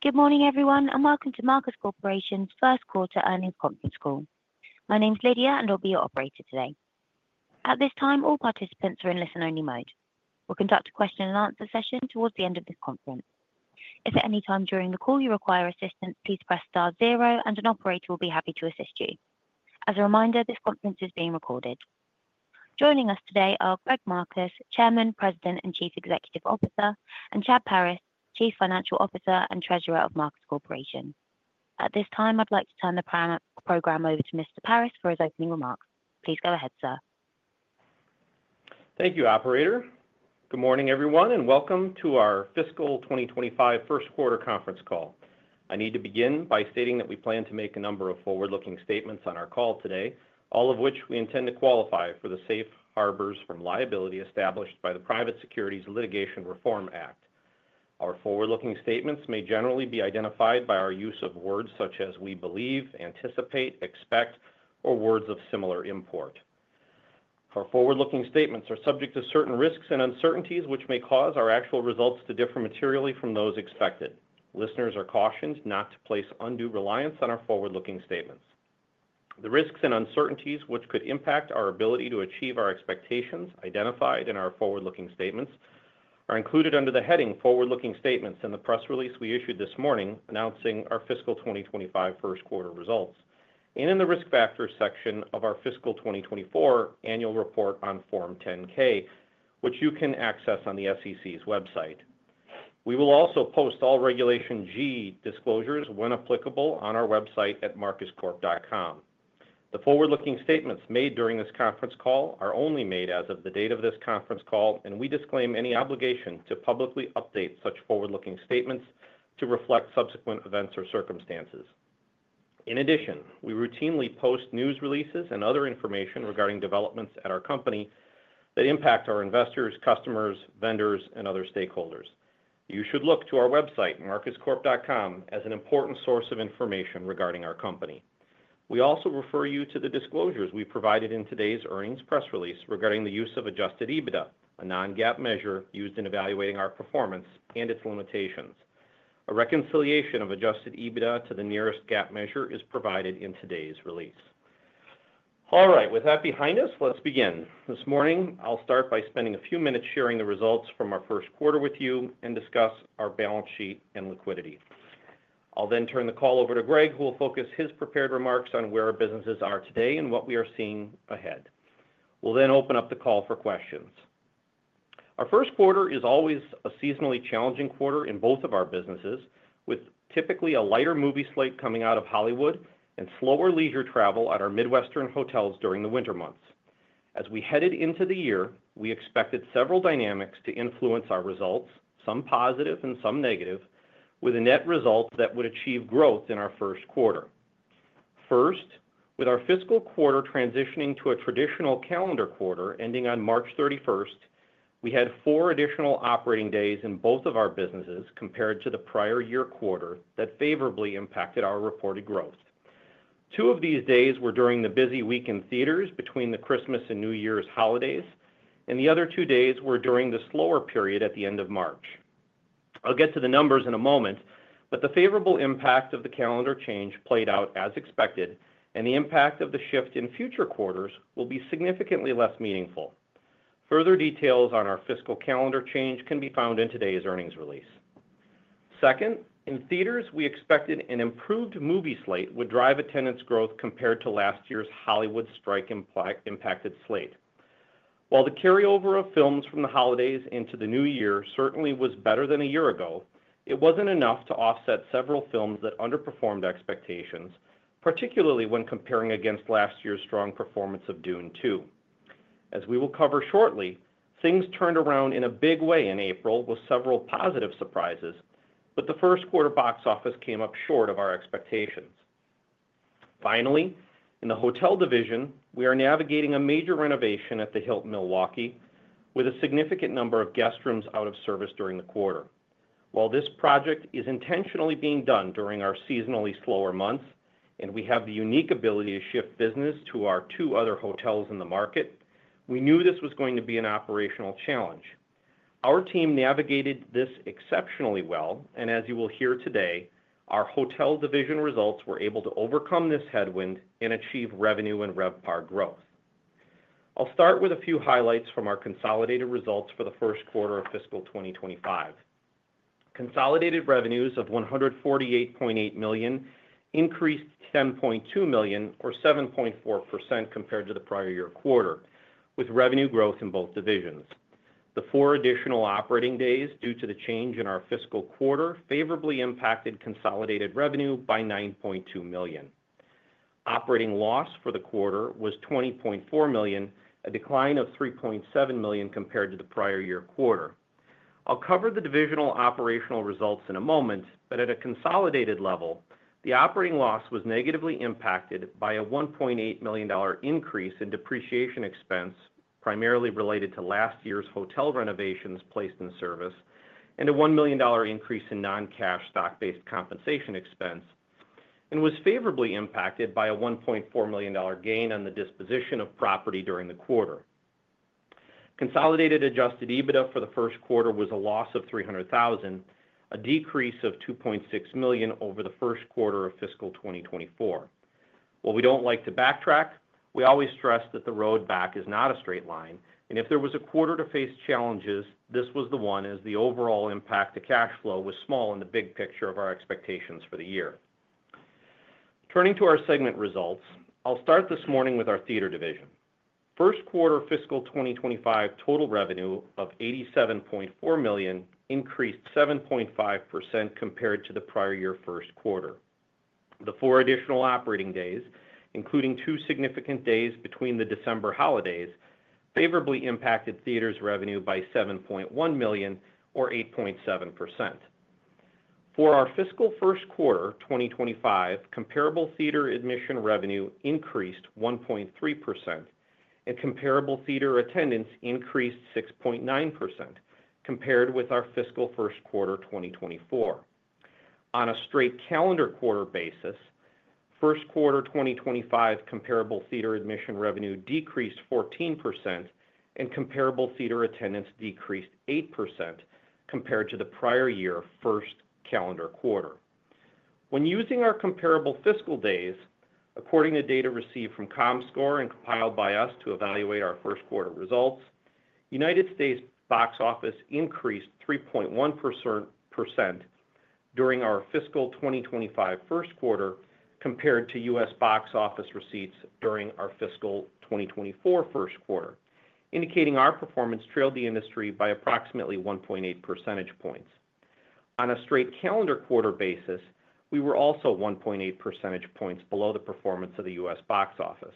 Good morning, everyone, and welcome to Marcus Corporation's First Quarter Earnings Conference Call. My name's Lydia, and I'll be your operator today. At this time, all participants are in listen-only mode. We'll conduct a question-and-answer session towards the end of this conference. If at any time during the call you require assistance, please press * zero, and an operator will be happy to assist you. As a reminder, this conference is being recorded. Joining us today are Greg Marcus, Chairman, President and Chief Executive Officer and Chad Paris, Chief Financial Officer and Treasurer of Marcus Corporation. At this time, I'd like to turn the program over to Mr. Paris for his opening remarks. Please go ahead, sir. Thank you, Operator. Good morning, everyone, and welcome to our Fiscal 2025 first quarter conference call. I need to begin by stating that we plan to make a number of forward-looking statements on our call today, all of which we intend to qualify for the safe harbors from liability established by the Private Securities Litigation Reform Act. Our forward-looking statements may generally be identified by our use of words such as "we believe," "anticipate," "expect," or words of similar import. Our forward-looking statements are subject to certain risks and uncertainties which may cause our actual results to differ materially from those expected. Listeners are cautioned not to place undue reliance on our forward-looking statements. The risks and uncertainties which could impact our ability to achieve our expectations identified in our forward-looking statements are included under the heading "Forward-looking Statements" in the press release we issued this morning announcing our Fiscal 2025 first quarter results and in the risk factors section of our Fiscal 2024 annual report on Form 10-K, which you can access on the SEC's website. We will also post all Regulation G disclosures, when applicable, on our website at marcuscorp.com. The forward-looking statements made during this conference call are only made as of the date of this conference call, and we disclaim any obligation to publicly update such forward-looking statements to reflect subsequent events or circumstances. In addition, we routinely post news releases and other information regarding developments at our company that impact our investors, customers, vendors, and other stakeholders. You should look to our website, marcuscorp.com, as an important source of information regarding our company. We also refer you to the disclosures we provided in today's earnings press release regarding the use of adjusted EBITDA, a non-GAAP measure used in evaluating our performance and its limitations. A reconciliation of adjusted EBITDA to the nearest GAAP measure is provided in today's release. All right, with that behind us, let's begin. This morning, I'll start by spending a few minutes sharing the results from our first quarter with you and discuss our balance sheet and liquidity. I'll then turn the call over to Greg, who will focus his prepared remarks on where our businesses are today and what we are seeing ahead. We'll then open up the call for questions. Our first quarter is always a seasonally challenging quarter in both of our businesses, with typically a lighter movie slate coming out of Hollywood and slower leisure travel at our Midwestern hotels during the winter months. As we headed into the year, we expected several dynamics to influence our results, some positive and some negative, with a net result that would achieve growth in our first quarter. First, with our fiscal quarter transitioning to a traditional calendar quarter ending on March 31, we had four additional operating days in both of our businesses compared to the prior year quarter that favorably impacted our reported growth. Two of these days were during the busy week in theaters between the Christmas and New Year's holidays, and the other two days were during the slower period at the end of March. I'll get to the numbers in a moment, but the favorable impact of the calendar change played out as expected, and the impact of the shift in future quarters will be significantly less meaningful. Further details on our fiscal calendar change can be found in today's earnings release. Second, in theaters, we expected an improved movie slate would drive attendance growth compared to last year's Hollywood strike-impacted slate. While the carryover of films from the holidays into the new year certainly was better than a year ago, it wasn't enough to offset several films that underperformed expectations, particularly when comparing against last year's strong performance of Dune 2. As we will cover shortly, things turned around in a big way in April with several positive surprises, but the first quarter box office came up short of our expectations. Finally, in the hotel division, we are navigating a major renovation at the Hilton Milwaukee, with a significant number of guest rooms out of service during the quarter. While this project is intentionally being done during our seasonally slower months and we have the unique ability to shift business to our two other hotels in the market, we knew this was going to be an operational challenge. Our team navigated this exceptionally well, and as you will hear today, our hotel division results were able to overcome this headwind and achieve revenue and RevPAR growth. I'll start with a few highlights from our consolidated results for the first quarter of fiscal 2025. Consolidated revenues of $148.8 million increased $10.2 million, or 7.4%, compared to the prior year quarter, with revenue growth in both divisions. The four additional operating days due to the change in our fiscal quarter favorably impacted consolidated revenue by $9.2 million. Operating loss for the quarter was $20.4 million, a decline of $3.7 million compared to the prior year quarter. I'll cover the divisional operational results in a moment, but at a consolidated level, the operating loss was negatively impacted by a $1.8 million increase in depreciation expense, primarily related to last year's hotel renovations placed in service, and a $1 million increase in non-cash stock-based compensation expense, and was favorably impacted by a $1.4 million gain on the disposition of property during the quarter. Consolidated adjusted EBITDA for the first quarter was a loss of $300,000, a decrease of $2.6 million over the first quarter of fiscal 2024. While we don't like to backtrack, we always stress that the road back is not a straight line, and if there was a quarter to face challenges, this was the one as the overall impact to cash flow was small in the big picture of our expectations for the year. Turning to our segment results, I'll start this morning with our theater division. First quarter fiscal 2025 total revenue of $87.4 million increased 7.5% compared to the prior year first quarter. The four additional operating days, including two significant days between the December holidays, favorably impacted theaters' revenue by $7.1 million, or 8.7%. For our fiscal first quarter 2025, comparable theater admission revenue increased 1.3%, and comparable theater attendance increased 6.9%, compared with our fiscal first quarter 2024. On a straight calendar quarter basis, first quarter 2025 comparable theater admission revenue decreased 14%, and comparable theater attendance decreased 8% compared to the prior year first calendar quarter. When using our comparable fiscal days, according to data received from Comscore and compiled by us to evaluate our first quarter results, U.S. box office increased 3.1% during our fiscal 2025 first quarter compared to U.S. box office receipts during our fiscal 2024 first quarter, indicating our performance trailed the industry by approximately 1.8 percentage points. On a straight calendar quarter basis, we were also 1.8 percentage points below the performance of the U.S. box office.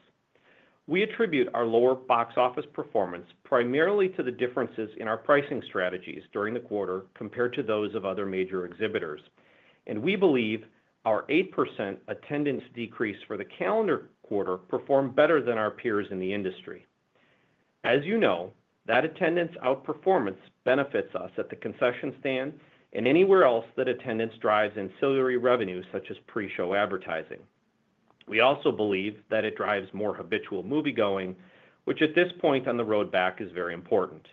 We attribute our lower box office performance primarily to the differences in our pricing strategies during the quarter compared to those of other major exhibitors, and we believe our 8% attendance decrease for the calendar quarter performed better than our peers in the industry. As you know, that attendance outperformance benefits us at the concession stand and anywhere else that attendance drives ancillary revenue such as pre-show advertising. We also believe that it drives more habitual moviegoing, which at this point on the road back is very important.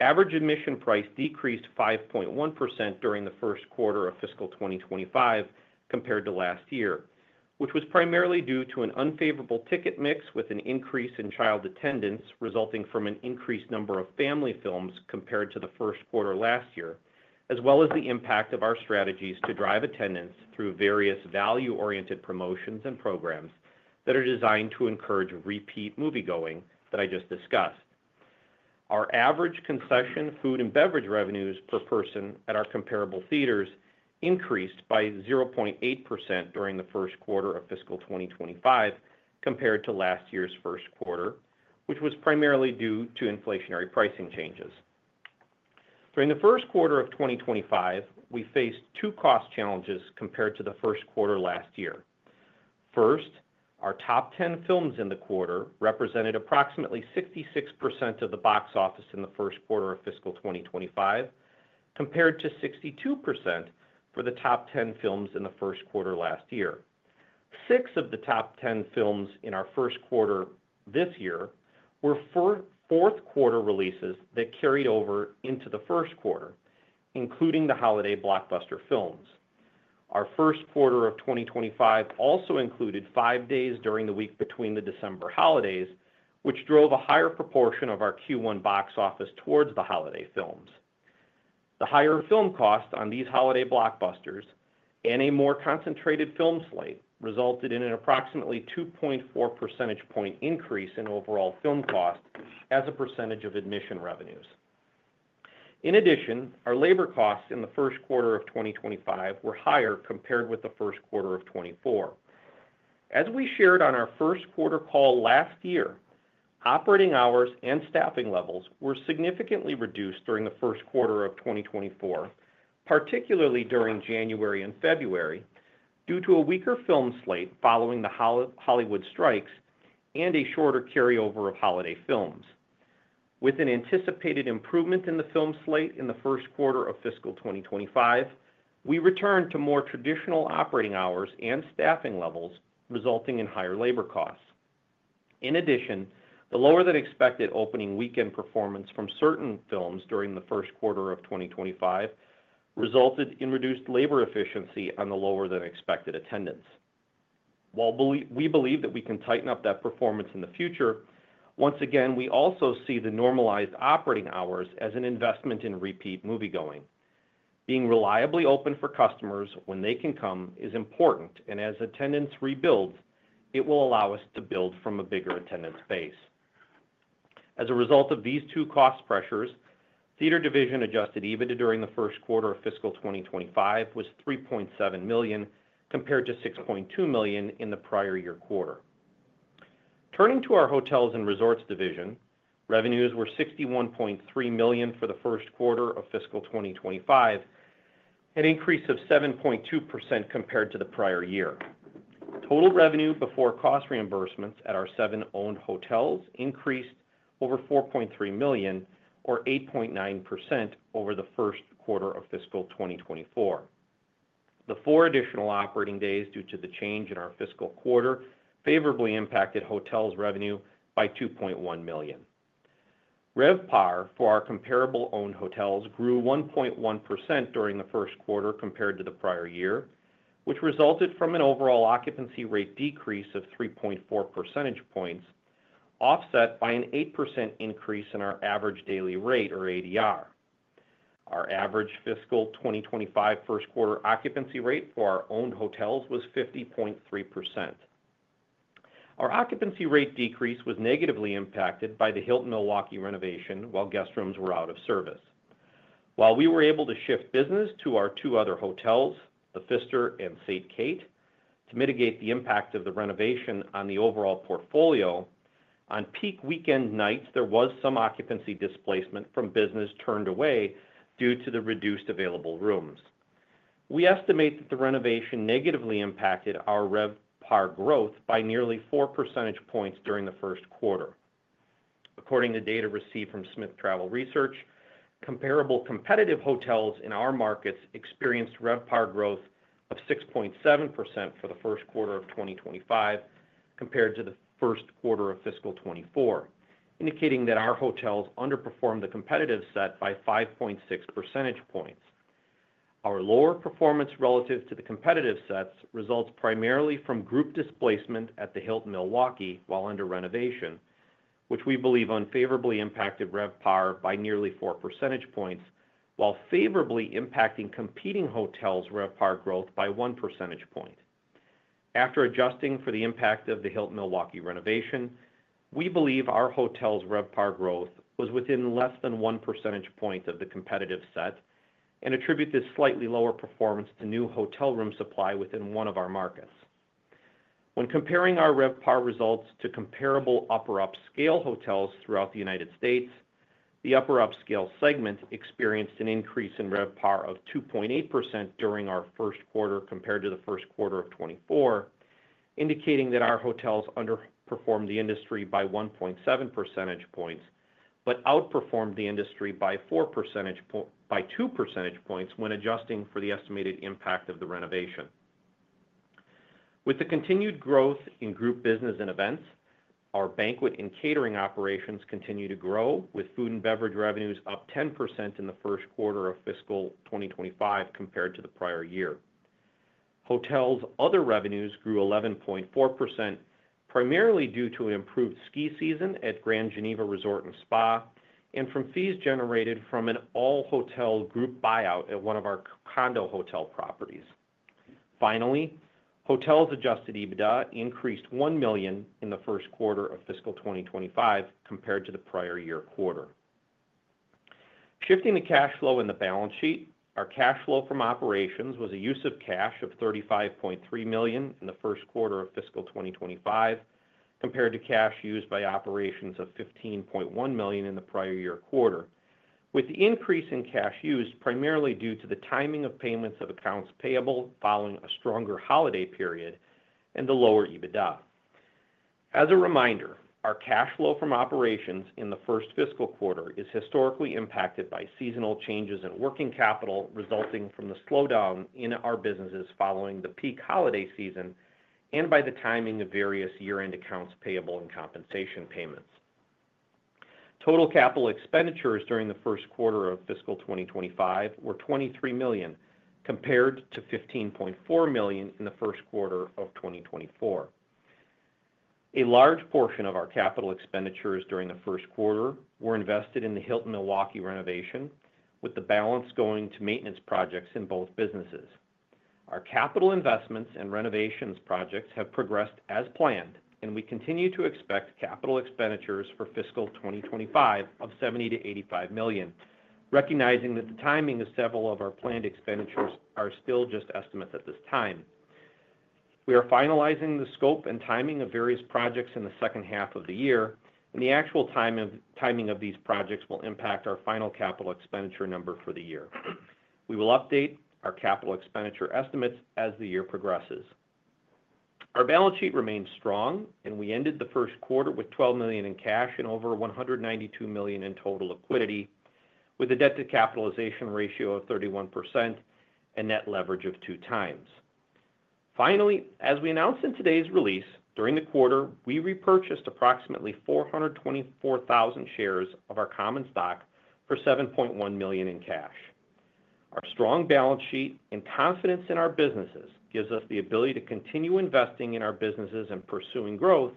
Average admission price decreased 5.1% during the first quarter of fiscal 2025 compared to last year, which was primarily due to an unfavorable ticket mix with an increase in child attendance resulting from an increased number of family films compared to the first quarter last year, as well as the impact of our strategies to drive attendance through various value-oriented promotions and programs that are designed to encourage repeat moviegoing that I just discussed. Our average concession food and beverage revenues per person at our comparable theaters increased by 0.8% during the first quarter of fiscal 2025 compared to last year's first quarter, which was primarily due to inflationary pricing changes. During the first quarter of 2025, we faced two cost challenges compared to the first quarter last year. First, our top 10 films in the quarter represented approximately 66% of the box office in the first quarter of fiscal 2025, compared to 62% for the top 10 films in the first quarter last year. Six of the top 10 films in our first quarter this year were fourth quarter releases that carried over into the first quarter, including the holiday blockbuster films. Our first quarter of 2025 also included five days during the week between the December holidays, which drove a higher proportion of our Q1 box office towards the holiday films. The higher film costs on these holiday blockbusters and a more concentrated film slate resulted in an approximately 2.4% point increase in overall film costs as a % of admission revenues. In addition, our labor costs in the first quarter of 2025 were higher compared with the first quarter of 2024. As we shared on our first quarter call last year, operating hours and staffing levels were significantly reduced during the first quarter of 2024, particularly during January and February, due to a weaker film slate following the Hollywood strikes and a shorter carryover of holiday films. With an anticipated improvement in the film slate in the first quarter of fiscal 2025, we returned to more traditional operating hours and staffing levels, resulting in higher labor costs. In addition, the lower-than-expected opening weekend performance from certain films during the first quarter of 2025 resulted in reduced labor efficiency on the lower-than-expected attendance. While we believe that we can tighten up that performance in the future, once again, we also see the normalized operating hours as an investment in repeat moviegoing. Being reliably open for customers when they can come is important, and as attendance rebuilds, it will allow us to build from a bigger attendance base. As a result of these two cost pressures, theater division adjusted EBITDA during the first quarter of fiscal 2025 was $3.7 million compared to $6.2 million in the prior year quarter. Turning to our hotels and resorts division, revenues were $61.3 million for the first quarter of fiscal 2025, an increase of 7.2% compared to the prior year. Total revenue before cost reimbursements at our seven owned hotels increased over $4.3 million, or 8.9%, over the first quarter of fiscal 2024. The four additional operating days due to the change in our fiscal quarter favorably impacted hotels' revenue by $2.1 million. RevPAR for our comparable owned hotels grew 1.1% during the first quarter compared to the prior year, which resulted from an overall occupancy rate decrease of 3.4 percentage points, offset by an 8% increase in our average daily rate, or ADR. Our average fiscal 2025 first quarter occupancy rate for our owned hotels was 50.3%. Our occupancy rate decrease was negatively impacted by the Hilton Milwaukee renovation while guest rooms were out of service. While we were able to shift business to our two other hotels, the Pfister and Saint. Kate, to mitigate the impact of the renovation on the overall portfolio, on peak weekend nights, there was some occupancy displacement from business turned away due to the reduced available rooms. We estimate that the renovation negatively impacted our RevPAR growth by nearly 4 percentage points during the first quarter. According to data received from Smith Travel Research, comparable competitive hotels in our markets experienced RevPAR growth of 6.7% for the first quarter of 2025 compared to the first quarter of fiscal 2024, indicating that our hotels underperformed the competitive set by 5.6 % points. Our lower performance relative to the competitive sets results primarily from group displacement at the Hilton Milwaukee while under renovation, which we believe unfavorably impacted RevPAR by nearly 4 % points, while favorably impacting competing hotels' RevPAR growth by 1 percentage point. After adjusting for the impact of the Hilton Milwaukee renovation, we believe our hotels' RevPAR growth was within less than 1 percentage point of the competitive set and attribute this slightly lower performance to new hotel room supply within one of our markets. When comparing our RevPAR results to comparable upper-upscale hotels throughout the United States, the upper-upscale segment experienced an increase in RevPAR of 2.8% during our first quarter compared to the first quarter of 2024, indicating that our hotels underperformed the industry by 1.7% points but outperformed the industry by 2 percentage points when adjusting for the estimated impact of the renovation. With the continued growth in group business and events, our banquet and catering operations continue to grow, with food and beverage revenues up 10% in the first quarter of fiscal 2025 compared to the prior year. Hotels' other revenues grew 11.4%, primarily due to an improved ski season at Grand Geneva Resort and Spa and from fees generated from an all-hotel group buyout at one of our condo hotel properties. Finally, hotels' adjusted EBITDA increased $1 million in the first quarter of fiscal 2025 compared to the prior year quarter. Shifting to cash flow in the balance sheet, our cash flow from operations was a use of cash of $35.3 million in the first quarter of fiscal 2025 compared to cash used by operations of $15.1 million in the prior year quarter, with the increase in cash used primarily due to the timing of payments of accounts payable following a stronger holiday period and the lower EBITDA. As a reminder, our cash flow from operations in the first fiscal quarter is historically impacted by seasonal changes in working capital resulting from the slowdown in our businesses following the peak holiday season and by the timing of various year-end accounts payable and compensation payments. Total capital expenditures during the first quarter of fiscal 2025 were $23 million compared to $15.4 million in the first quarter of 2024. A large portion of our capital expenditures during the first quarter were invested in the Hilton Milwaukee renovation, with the balance going to maintenance projects in both businesses. Our capital investments and renovations projects have progressed as planned, and we continue to expect capital expenditures for fiscal 2025 of $70-$85 million, recognizing that the timing of several of our planned expenditures are still just estimates at this time. We are finalizing the scope and timing of various projects in the second half of the year, and the actual timing of these projects will impact our final capital expenditure number for the year. We will update our capital expenditure estimates as the year progresses. Our balance sheet remains strong, and we ended the first quarter with $12 million in cash and over $192 million in total liquidity, with a debt-to-capitalization ratio of 31% and net leverage of two times. Finally, as we announced in today's release, during the quarter, we repurchased approximately 424,000 shares of our common stock for $7.1 million in cash. Our strong balance sheet and confidence in our businesses gives us the ability to continue investing in our businesses and pursuing growth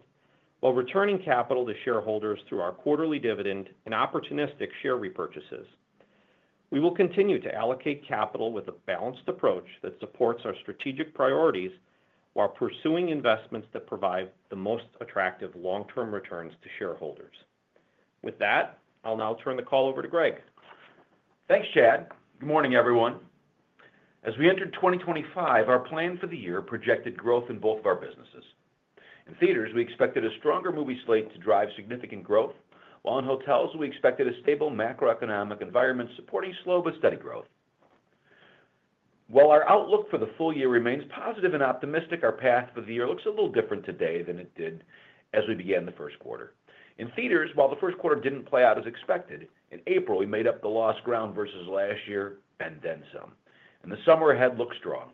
while returning capital to shareholders through our quarterly dividend and opportunistic share repurchases. We will continue to allocate capital with a balanced approach that supports our strategic priorities while pursuing investments that provide the most attractive long-term returns to shareholders. With that, I'll now turn the call over to Greg. Thanks, Chad. Good morning, everyone. As we entered 2025, our plan for the year projected growth in both of our businesses. In theaters, we expected a stronger movie slate to drive significant growth, while in hotels, we expected a stable macroeconomic environment supporting slow but steady growth. While our outlook for the full year remains positive and optimistic, our path for the year looks a little different today than it did as we began the first quarter. In theaters, while the first quarter did not play out as expected, in April, we made up the lost ground versus last year and then some. The summer ahead looks strong.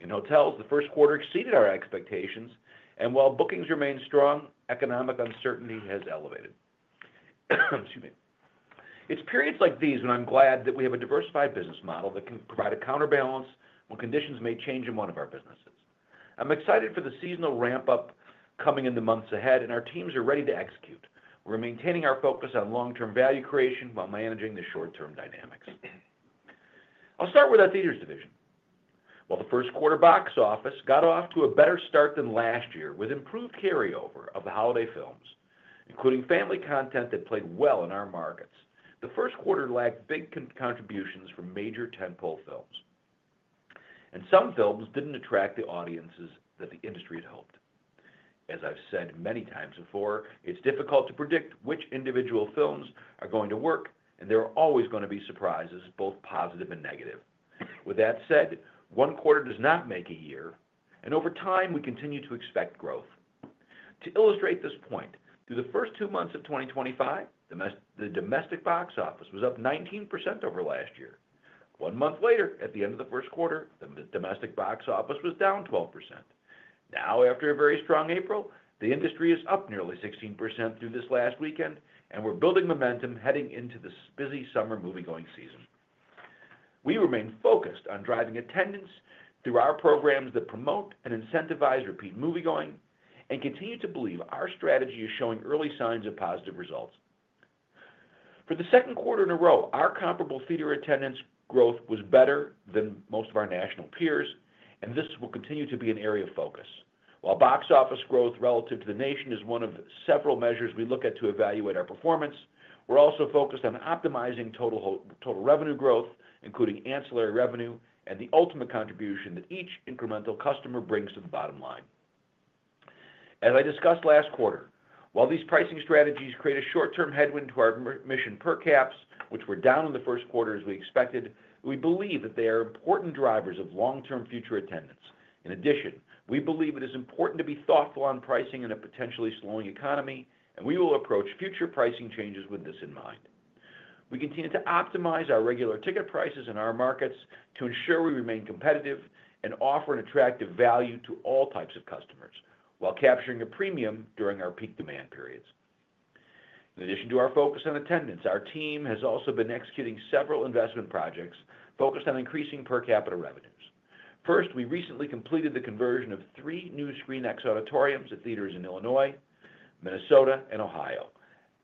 In hotels, the first quarter exceeded our expectations, and while bookings remain strong, economic uncertainty has elevated. Excuse me. It's periods like these when I'm glad that we have a diversified business model that can provide a counterbalance when conditions may change in one of our businesses. I'm excited for the seasonal ramp-up coming in the months ahead, and our teams are ready to execute. We're maintaining our focus on long-term value creation while managing the short-term dynamics. I'll start with our theaters division. While the first quarter box office got off to a better start than last year with improved carryover of the holiday films, including family content that played well in our markets, the first quarter lacked big contributions from major tentpole films. Some films didn't attract the audiences that the industry had hoped. As I've said many times before, it's difficult to predict which individual films are going to work, and there are always going to be surprises, both positive and negative. With that said, one quarter does not make a year, and over time, we continue to expect growth. To illustrate this point, through the first two months of 2025, the domestic box office was up 19% over last year. One month later, at the end of the first quarter, the domestic box office was down 12%. Now, after a very strong April, the industry is up nearly 16% through this last weekend, and we're building momentum heading into the busy summer moviegoing season. We remain focused on driving attendance through our programs that promote and incentivize repeat moviegoing and continue to believe our strategy is showing early signs of positive results. For the second quarter in a row, our comparable theater attendance growth was better than most of our national peers, and this will continue to be an area of focus. While box office growth relative to the nation is one of several measures we look at to evaluate our performance, we're also focused on optimizing total revenue growth, including ancillary revenue and the ultimate contribution that each incremental customer brings to the bottom line. As I discussed last quarter, while these pricing strategies create a short-term headwind to our mission per caps, which were down in the first quarter as we expected, we believe that they are important drivers of long-term future attendance. In addition, we believe it is important to be thoughtful on pricing in a potentially slowing economy, and we will approach future pricing changes with this in mind. We continue to optimize our regular ticket prices in our markets to ensure we remain competitive and offer an attractive value to all types of customers while capturing a premium during our peak demand periods. In addition to our focus on attendance, our team has also been executing several investment projects focused on increasing per capita revenues. First, we recently completed the conversion of three new ScreenX auditoriums at theaters in Illinois, Minnesota, and Ohio,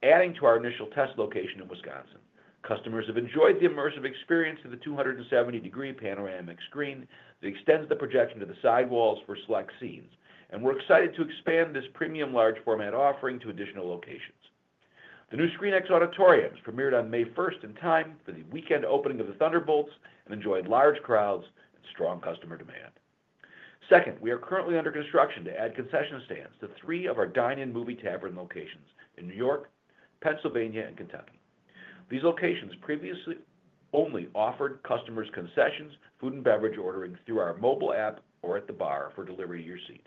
adding to our initial test location in Wisconsin. Customers have enjoyed the immersive experience of the 270-degree panoramic screen that extends the projection to the sidewalls for select scenes, and we're excited to expand this premium large-format offering to additional locations. The new ScreenX auditoriums premiered on May 1 in time for the weekend opening of the Thunderbolts and enjoyed large crowds and strong customer demand. Second, we are currently under construction to add concession stands to three of our dine-in movie tavern locations in New York, Pennsylvania, and Kentucky. These locations previously only offered customers concessions, food and beverage ordering through our mobile app or at the bar for delivery to your seat.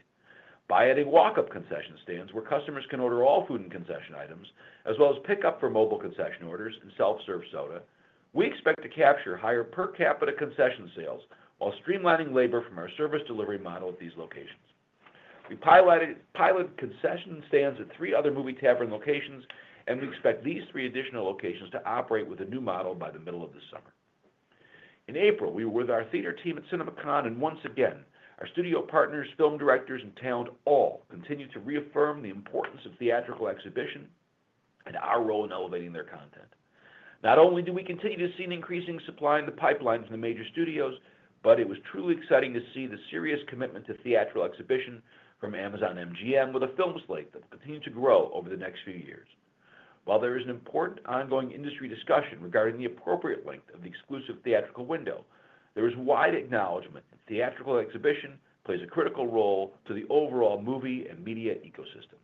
By adding walk-up concession stands where customers can order all food and concession items, as well as pick-up for mobile concession orders and self-serve soda, we expect to capture higher per capita concession sales while streamlining labor from our service delivery model at these locations. We piloted concession stands at three other movie tavern locations, and we expect these three additional locations to operate with a new model by the middle of this summer. In April, we were with our theater team at CinemaCon, and once again, our studio partners, film directors, and talent all continued to reaffirm the importance of theatrical exhibition and our role in elevating their content. Not only do we continue to see an increasing supply in the pipelines from the major studios, but it was truly exciting to see the serious commitment to theatrical exhibition from Amazon MGM with a film slate that will continue to grow over the next few years. While there is an important ongoing industry discussion regarding the appropriate length of the exclusive theatrical window, there is wide acknowledgement that theatrical exhibition plays a critical role to the overall movie and media ecosystem.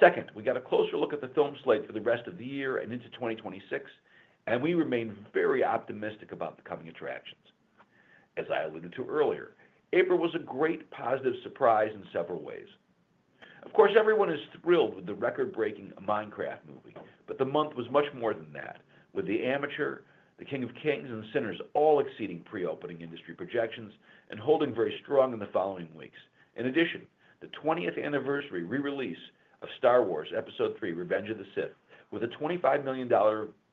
Second, we got a closer look at the film slate for the rest of the year and into 2026, and we remain very optimistic about the coming attractions. As I alluded to earlier, April was a great positive surprise in several ways. Of course, everyone is thrilled with the record-breaking Minecraft movie, but the month was much more than that, with The Amateur, The King of Kings, and Sinners all exceeding pre-opening industry projections and holding very strong in the following weeks. In addition, the 20th anniversary re-release of Star Wars: Episode III - Revenge of the Sith, with a $25 million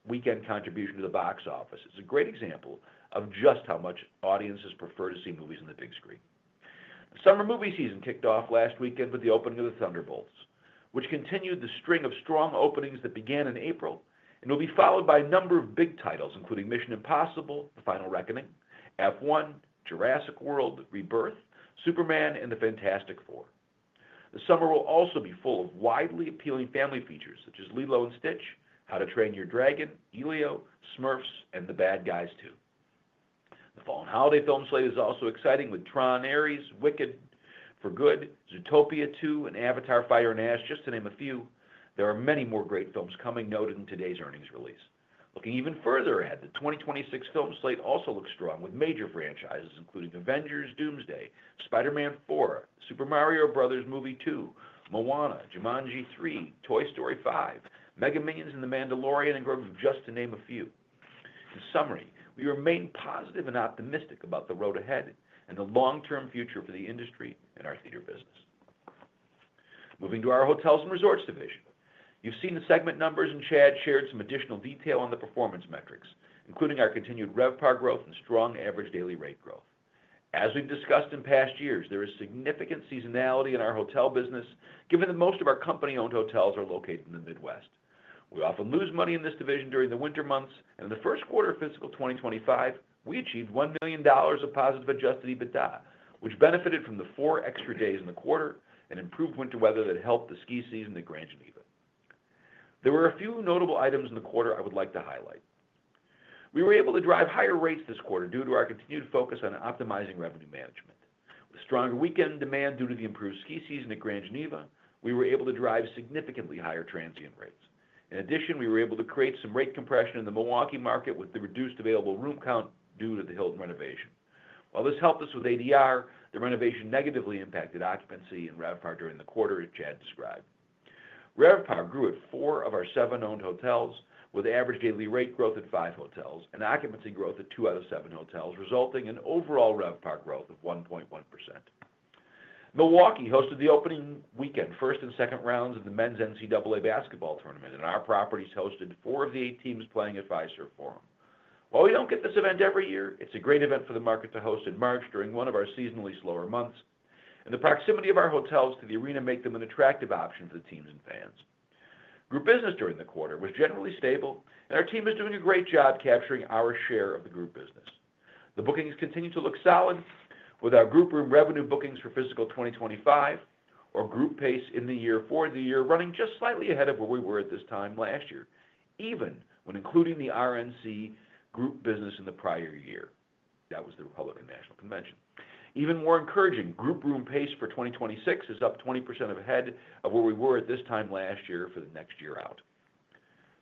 weekend contribution to the box office, is a great example of just how much audiences prefer to see movies on the big screen. The summer movie season kicked off last weekend with the opening of The Thunderbolts, which continued the string of strong openings that began in April and will be followed by a number of big titles, including Mission: Impossible - The Final Reckoning, F1, Jurassic World Rebirth, Superman and The Fantastic Four. The summer will also be full of widely appealing family features such as Lilo & Stitch, How to Train Your Dragon, Elio, Smurfs, and The Bad Guys 2. The fall and holiday film slate is also exciting with Tron: Ares, Wicked For Good, Zootopia 2, and Avatar: Fire and Ash, just to name a few. There are many more great films coming noted in today's earnings release. Looking even further ahead, the 2026 film slate also looks strong with major franchises including Avengers: Doomsday, Spider-Man 4, Super Mario Bros. Movie 2, Moana, Jumanji 3, Toy Story 5, Mega Minions, and The Mandalorian & Grogu, just to name a few. In summary, we remain positive and optimistic about the road ahead and the long-term future for the industry and our theater business. Moving to our hotels and resorts division, you have seen the segment numbers, and Chad shared some additional detail on the performance metrics, including our continued RevPAR growth and strong average daily rate growth. As we have discussed in past years, there is significant seasonality in our hotel business, given that most of our company-owned hotels are located in the Midwest. We often lose money in this division during the winter months, and in the first quarter of fiscal 2025, we achieved $1 million of positive adjusted EBITDA, which benefited from the four extra days in the quarter and improved winter weather that helped the ski season at Grand Geneva. There were a few notable items in the quarter I would like to highlight. We were able to drive higher rates this quarter due to our continued focus on optimizing revenue management. With stronger weekend demand due to the improved ski season at Grand Geneva, we were able to drive significantly higher transient rates. In addition, we were able to create some rate compression in the Milwaukee market with the reduced available room count due to the Hilton renovation. While this helped us with ADR, the renovation negatively impacted occupancy and RevPAR during the quarter, as Chad described. RevPAR grew at four of our seven-owned hotels, with average daily rate growth at five hotels and occupancy growth at two out of seven hotels, resulting in overall RevPAR growth of 1.1%. Milwaukee hosted the opening weekend, first and second rounds of the Men's NCAA basketball tournament, and our properties hosted four of the eight teams playing at Fiserv Forum. While we don't get this event every year, it's a great event for the market to host in March during one of our seasonally slower months, and the proximity of our hotels to the arena makes them an attractive option for the teams and fans. Group business during the quarter was generally stable, and our team is doing a great job capturing our share of the group business. The bookings continue to look solid, with our group room revenue bookings for fiscal 2025 or group pace in the year for the year running just slightly ahead of where we were at this time last year, even when including the RNC group business in the prior year. That was the Republican National Convention. Even more encouraging, group room pace for 2026 is up 20% ahead of where we were at this time last year for the next year out.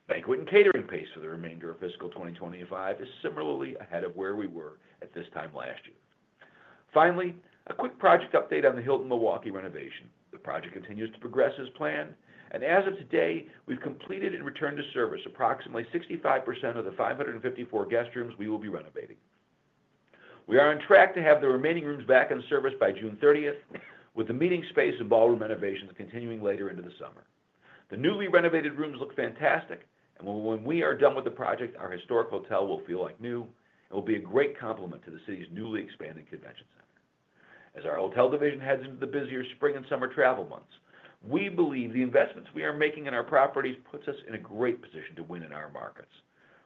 Banquet and catering pace for the remainder of fiscal 2025 is similarly ahead of where we were at this time last year. Finally, a quick project update on the Hilton Milwaukee renovation. The project continues to progress as planned, and as of today, we've completed and returned to service approximately 65% of the 554 guest rooms we will be renovating. We are on track to have the remaining rooms back in service by June 30, with the meeting space and ballroom renovations continuing later into the summer. The newly renovated rooms look fantastic, and when we are done with the project, our historic hotel will feel like new and will be a great complement to the city's newly expanding convention center. As our hotel division heads into the busier spring and summer travel months, we believe the investments we are making in our properties put us in a great position to win in our markets.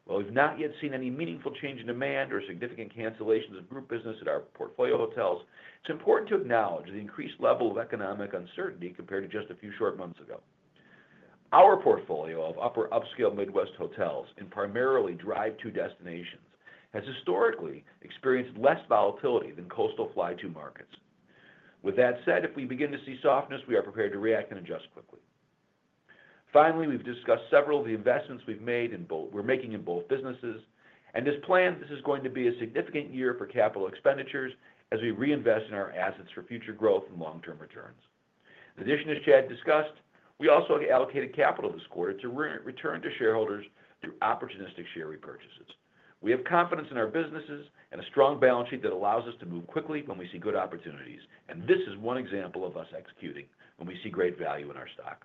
While we've not yet seen any meaningful change in demand or significant cancellations of group business at our portfolio hotels, it's important to acknowledge the increased level of economic uncertainty compared to just a few short months ago. Our portfolio of upper upscale Midwest hotels and primarily drive-to destinations has historically experienced less volatility than coastal fly-to markets. With that said, if we begin to see softness, we are prepared to react and adjust quickly. Finally, we've discussed several of the investments we're making in both businesses, and as planned, this is going to be a significant year for capital expenditures as we reinvest in our assets for future growth and long-term returns. In addition, as Chad discussed, we also allocated capital this quarter to return to shareholders through opportunistic share repurchases. We have confidence in our businesses and a strong balance sheet that allows us to move quickly when we see good opportunities, and this is one example of us executing when we see great value in our stock.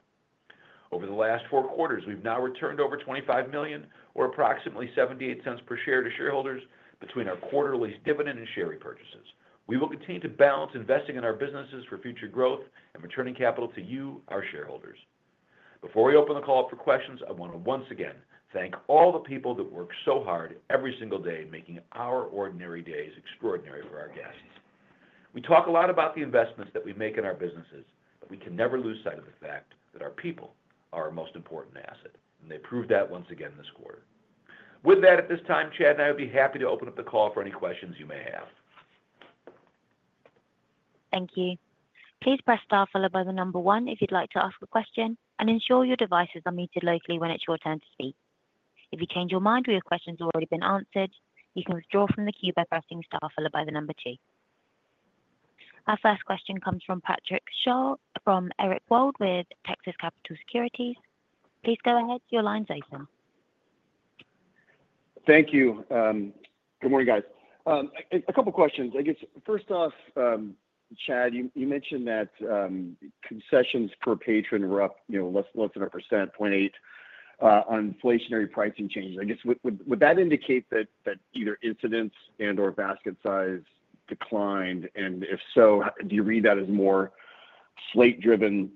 Over the last four quarters, we've now returned over $25 million, or approximately $0.78 per share to shareholders between our quarterly dividend and share repurchases. We will continue to balance investing in our businesses for future growth and returning capital to you, our shareholders. Before we open the call up for questions, I want to once again thank all the people that work so hard every single day, making our ordinary days extraordinary for our guests. We talk a lot about the investments that we make in our businesses, but we can never lose sight of the fact that our people are our most important asset, and they proved that once again this quarter. With that, at this time, Chad and I would be happy to open up the call for any questions you may have. Thank you. Please press * followed by the number one if you'd like to ask a question, and ensure your devices are muted locally when it's your turn to speak. If you change your mind or your question has already been answered, you can withdraw from the queue by pressing * followed by the number two. Our first question comes from Patrick Sholl -from Eric Wold with Texas Capital Securities. Please go ahead. Your line's open. Thank you. Good morning, guys. A couple of questions. I guess, first off, Chad, you mentioned that concessions per patron were up less than 1%, 0.8%, on inflationary pricing changes. I guess, would that indicate that either incidence and/or basket size declined? If so, do you read that as more slate-driven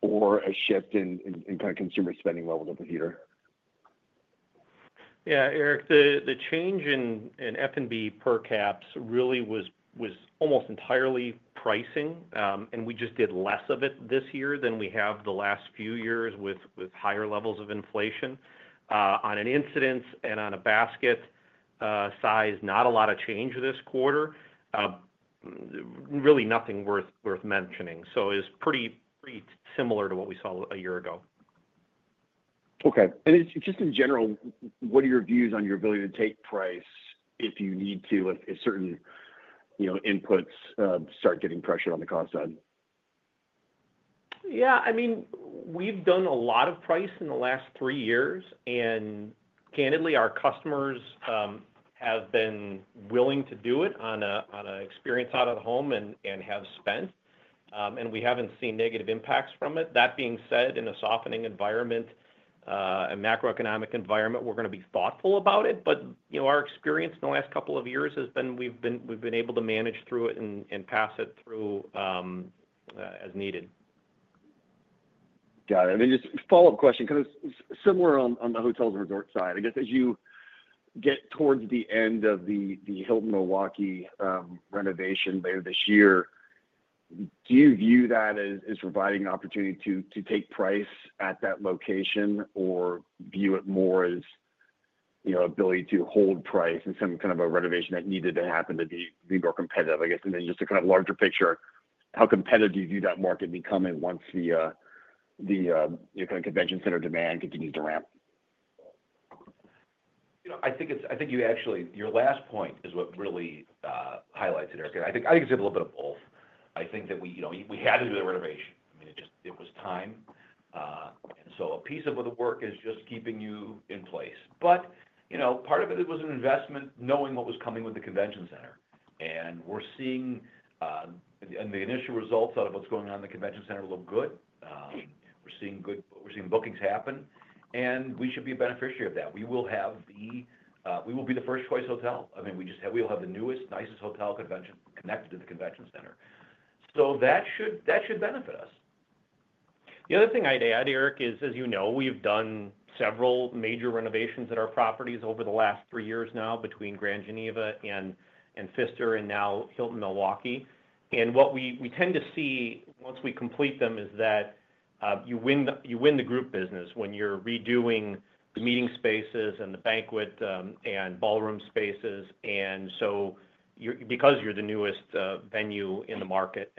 or a shift in kind of consumer spending levels of the theater? Yeah, Eric, the change in F&B per caps really was almost entirely pricing, and we just did less of it this year than we have the last few years with higher levels of inflation. On an incidence and on a basket size, not a lot of change this quarter. Really nothing worth mentioning. It is pretty similar to what we saw a year ago. Okay. In general, what are your views on your ability to take price if you need to, if certain inputs start getting pressure on the cost side? Yeah.I mean, we've done a lot of price in the last three years, and candidly, our customers have been willing to do it on an experience out of the home and have spent, and we haven't seen negative impacts from it. That being said, in a softening environment, a macroeconomic environment, we're going to be thoughtful about it, but our experience in the last couple of years has been we've been able to manage through it and pass it through as needed. Got it. And then just follow-up question, kind of similar on the hotels and resort side. I guess as you get towards the end of the Hilton Milwaukee renovation later this year, do you view that as providing an opportunity to take price at that location or view it more as an ability to hold price in some kind of a renovation that needed to happen to be more competitive, I guess? Just a kind of larger picture, how competitive do you view that market becoming once the kind of convention center demand continues to ramp? I think you actually your last point is what really highlights it, Eric. I think it's a little bit of both. I think that we had to do the renovation. I mean, it was time. A piece of the work is just keeping you in place. Part of it was an investment knowing what was coming with the convention center. We're seeing the initial results out of what's going on in the convention center look good. We're seeing bookings happen, and we should be a beneficiary of that. We will be the first-choice hotel. I mean, we'll have the newest, nicest hotel convention-connected to the convention center. So, that should benefit us. The other thing I'd add, Eric, is, as you know, we've done several major renovations at our properties over the last three years now between Grand Geneva, The Pfister, and now Hilton Milwaukee. What we tend to see once we complete them is that you win the group business when you're redoing the meeting spaces and the banquet and ballroom spaces, and so- because you're the newest venue in the market.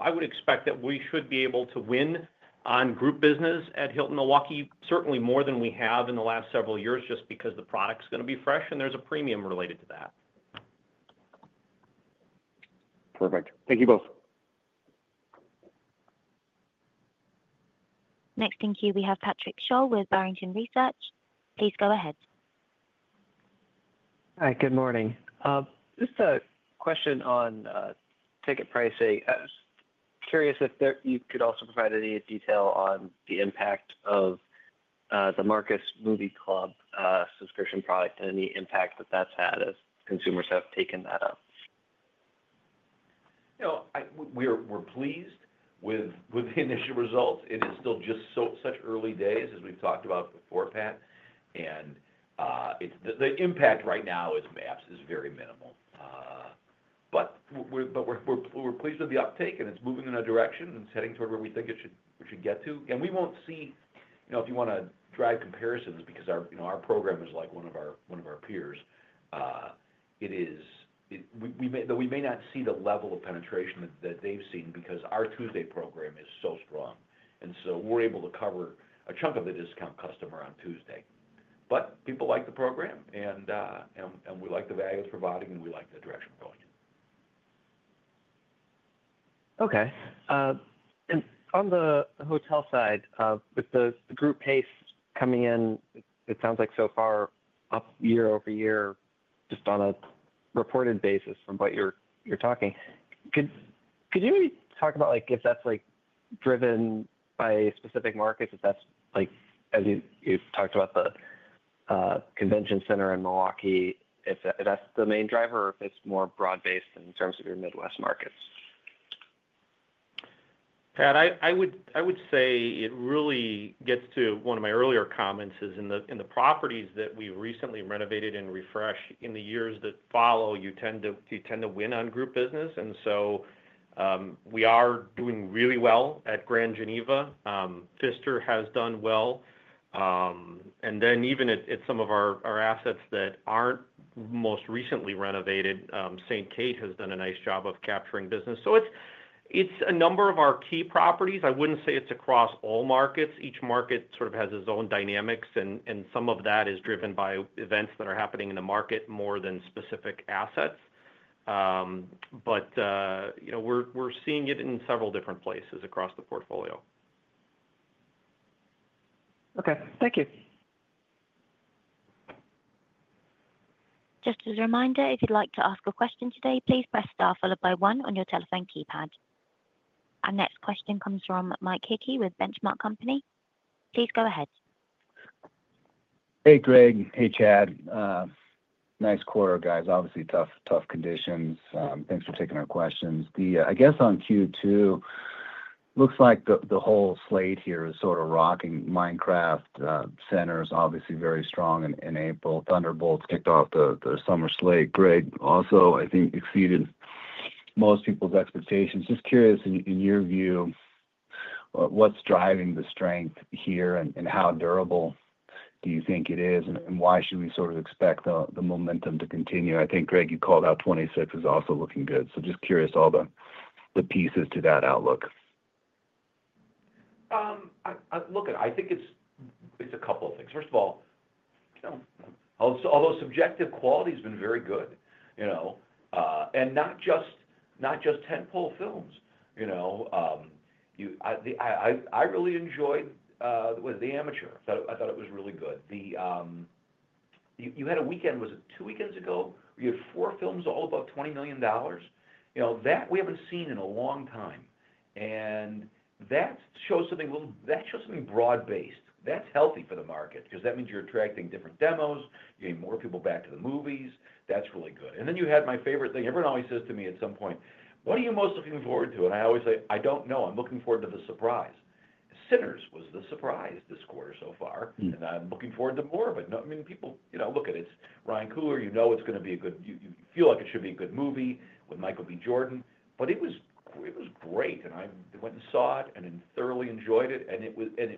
I would expect that we should be able to win on group business at Hilton Milwaukee, certainly more than we have in the last several years, just because the product's going to be fresh and there's a premium related to that. Perfect. Thank you both. Next, in queue, we have Patrick Sholl with Barrington Research. Please go ahead. Hi. Good morning. Just a question on ticket pricing. I was curious if you could also provide any detail on the impact of the Marcus Movie Club subscription product and the impact that that's had as consumers have taken that up. We're pleased with the initial results. It is still just such early days, as we've talked about before, Pat. The impact right now is very minimal. We're pleased with the uptake, and it's moving in a direction and it's heading toward where we think it should get to. We won't see, if you want to drive comparisons because our program is like one of our peers, we may not see the level of penetration that they've seen because our Tuesday program is so strong. We're able to cover a chunk of the discount customer on Tuesday. People like the program, and we like the value it's providing, and we like the direction we're going in. Okay. On the hotel side, with the group pace coming in, it sounds like so far up year over year, just on a reported basis from what you're talking. Could you maybe talk about if that's driven by specific markets, as you've talked about the convention center in Milwaukee, if that's the main driver or if it's more broad-based in terms of your Midwest markets? Pat, I would say it really gets to one of my earlier comments is in the properties that we recently renovated and refreshed, in the years that follow, you tend to win on group business. And so we are doing really well at Grand Geneva. The Pfister has done well. And then even at some of our assets that aren't most recently renovated, Saint Kate has done a nice job of capturing business. So it's a number of our key properties. I wouldn't say it's across all markets. Each market sort of has its own dynamics, and some of that is driven by events that are happening in the market more than specific assets. We're seeing it in several different places across the portfolio. Okay. Thank you. Just as a reminder, if you'd like to ask a question today, please press * followed by one on your telephone keypad. Our next question comes from Mike Hickey with Benchmark Company. Please go ahead. Hey, Greg. Hey, Chad. Nice quarter, guys. Obviously, tough conditions. Thanks for taking our questions. I guess on Q2, looks like the whole slate here is sort of rocking. Minecraft center is obviously very strong in April. Thunderbolts kicked off the summer slate. Greg also, I think, exceeded most people's expectations. Just curious, in your view, what's driving the strength here and how durable do you think it is, and why should we sort of expect the momentum to continue? I think, Greg, you called out 2026 is also looking good. So just curious all the pieces to that outlook. Look, I think it's a couple of things. First of all, although subjective quality has been very good, and not just tentpole films. I really enjoyed The Amateur. I thought it was really good. You had a weekend—was it two weekends ago?—where you had four films all about $20 million. That we haven't seen in a long time. That shows something broad-based. That's healthy for the market because that means you're attracting different demos. You're getting more people back to the movies. That's really good. You had my favorite thing. Everyone always says to me at some point, "What are you most looking forward to?" I always say, "I don't know. I'm looking forward to the surprise." Sinners was the surprise this quarter so far. I'm looking forward to more, but I mean, people look at it. It's Ryan Coogler. You know it's going to be a good—you feel like it should be a good movie with Michael B. Jordan. It was great. I went and saw it and thoroughly enjoyed it. It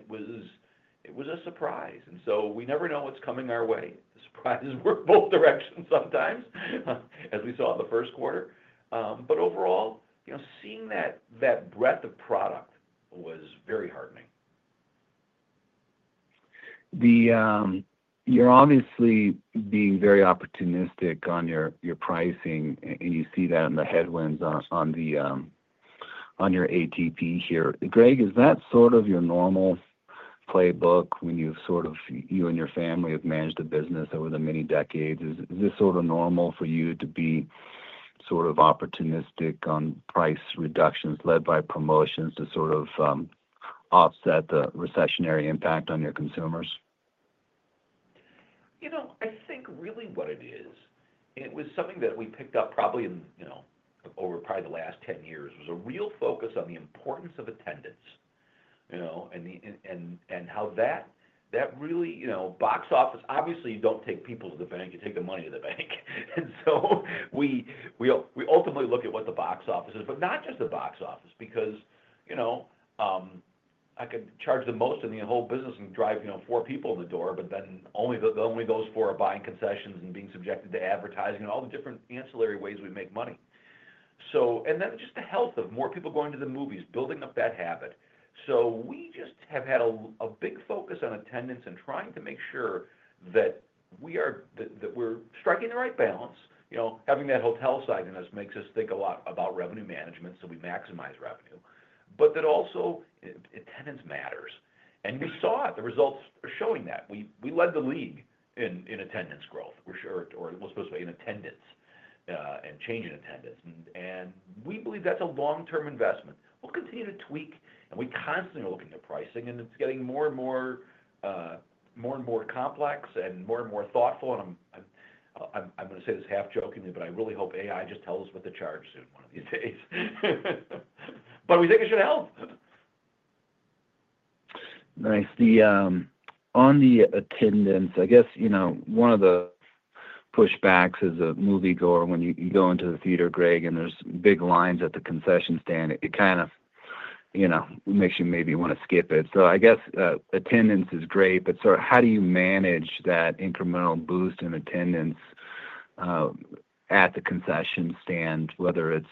was a surprise. We never know what's coming our way. The surprises work both directions sometimes, as we saw in the first quarter. Overall, seeing that breadth of product was very heartening. You're obviously being very opportunistic on your pricing, and you see that in the headwinds on your ATP here. Greg, is that sort of your normal playbook when you and your family have managed the business over the many decades? Is this sort of normal for you to be sort of opportunistic on price reductions led by promotions to sort of offset the recessionary impact on your consumers? I think really what it is, and it was something that we picked up probably over probably the last 10 years, was a real focus on the importance of attendance and how that really box office—obviously, you do not take people to the bank. You take the money to the bank. You ultimately look at what the box office is, but not just the box office, because I could charge the most in the whole business and drive four people in the door, but then only those four are buying concessions and being subjected to advertising and all the different ancillary ways we make money. Just the health of more people going to the movies, building up that habit. We just have had a big focus on attendance and trying to make sure that we are striking the right balance. Having that hotel side in us makes us think a lot about revenue management so we maximize revenue, but that also attendance matters. We saw it. The results are showing that. We led the league in attendance growth, or I suppose in attendance and change in attendance. We believe that's a long-term investment. We'll continue to tweak, and we constantly are looking at pricing, and it's getting more and more complex and more and more thoughtful. I'm going to say this half-jokingly, but I really hope AI just tells us what to charge soon one of these days. We think it should help. Nice. On the attendance, I guess one of the pushbacks as a moviegoer, when you go into the theater, Greg, and there's big lines at the concession stand, it kind of makes you maybe want to skip it. I guess attendance is great, but sort of how do you manage that incremental boost in attendance at the concession stand, whether it's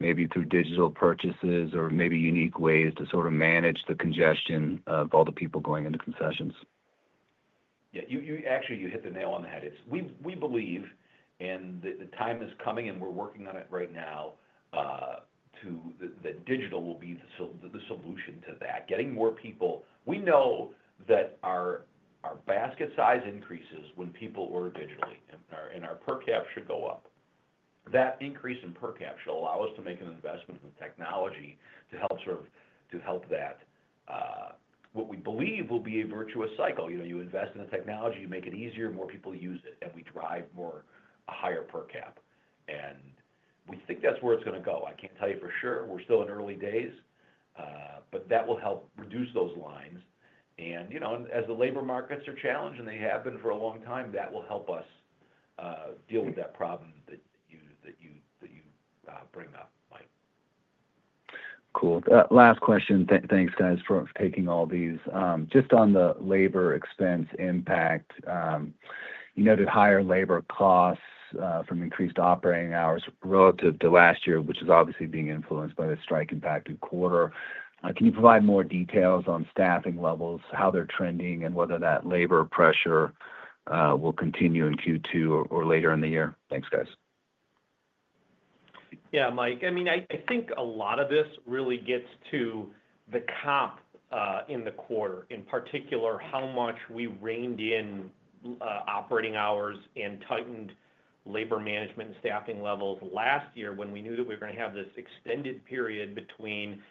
maybe through digital purchases or maybe unique ways to sort of manage the congestion of all the people going into concessions? Yeah. Actually, you hit the nail on the head. We believe, and the time is coming, and we're working on it right now, that digital will be the solution to that. Getting more people—we know that our basket size increases when people order digitally, and our per cap should go up. That increase in per cap should allow us to make an investment in the technology to help sort of help that. What we believe will be a virtuous cycle. You invest in the technology, you make it easier, more people use it, and we drive a higher per cap. We think that's where it's going to go. I can't tell you for sure. We're still in early days, but that will help reduce those lines. As the labor markets are challenged, and they have been for a long time, that will help us deal with that problem that you bring up, Mike. Cool. Last question. Thanks, guys, for taking all these. Just on the labor expense impact, you noted higher labor costs from increased operating hours relative to last year, which is obviously being influenced by the strike-impacted quarter. Can you provide more details on staffing levels, how they're trending, and whether that labor pressure will continue in Q2 or later in the year? Thanks, guys. Yeah, Mike. I mean, I think a lot of this really gets to the comp in the quarter. In particular, how much we reined in operating hours and tightened labor management and staffing levels last year when we knew that we were going to have this extended period between,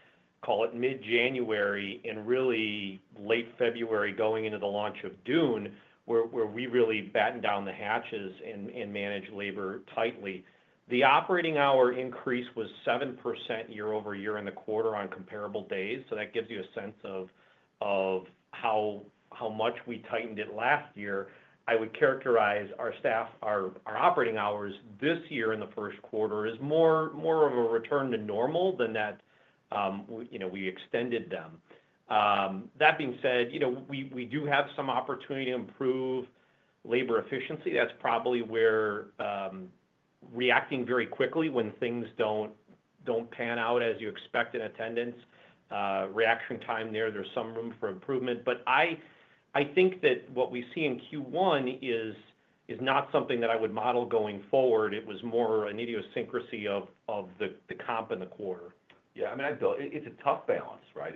call it mid-January and really late February going into the launch of June, where we really battened down the hatches and managed labor tightly. The operating hour increase was 7% year-over-year in the quarter on comparable days. That gives you a sense of how much we tightened it last year. I would characterize our operating hours this year in the first quarter as more of a return to normal than that we extended them. That being said, we do have some opportunity to improve labor efficiency. That is probably where reacting very quickly when things do not pan out as you expect in attendance, reaction time there, there is some room for improvement. I think that what we see in Q1 is not something that I would model going forward. It was more an idiosyncrasy of the comp in the quarter. Yeah. I mean, it's a tough balance, right?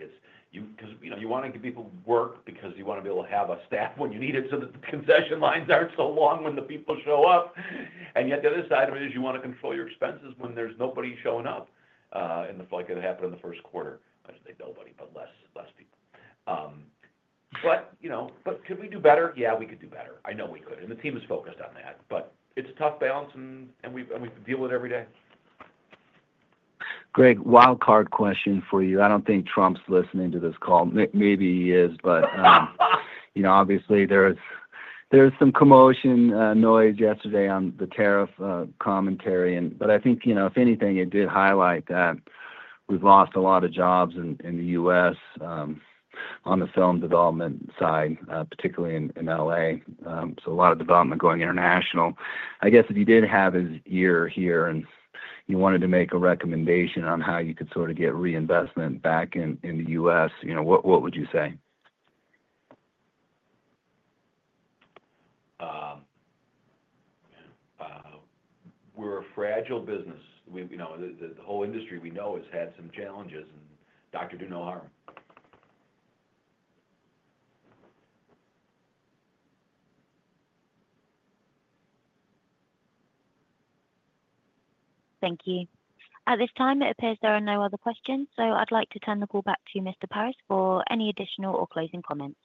Because you want to give people work because you want to be able to have a staff when you need it so that the concession lines aren't so long when the people show up. Yet the other side of it is you want to control your expenses when there's nobody showing up, like it happened in the first quarter. Not just nobody, but less people. Could we do better? Yeah, we could do better. I know we could. The team is focused on that. It's a tough balance, and we deal with it every day. Greg, wildcard question for you. I don't think Trump's listening to this call. Maybe he is, but obviously, there was some commotion, noise yesterday on the tariff commentary. If anything, it did highlight that we've lost a lot of jobs in the U.S. on the film development side, particularly in L.A., so a lot of development is going international. I guess if you did have his ear here and you wanted to make a recommendation on how you could sort of get reinvestment back in the U.S., what would you say? We're a fragile business. The whole industry we know has had some challenges, and doctor do no harm. Thank you. At this time, it appears there are no other questions. I would like to turn the call back to Mr. Paris for any additional or closing comments.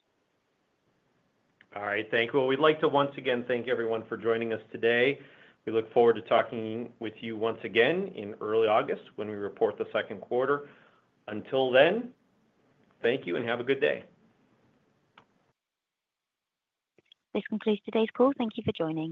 All right. Thank you. We would like to once again thank everyone for joining us today. We look forward to talking with you once again in early August when we report the second quarter. Until then, thank you and have a good day. This concludes today's call. Thank you for joining.